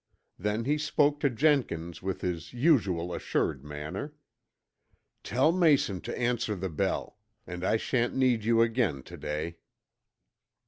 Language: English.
Then he spoke to Jenkins with his usual assured manner. "Tell Mason to answer the bell. And I sha'n't need you again to day."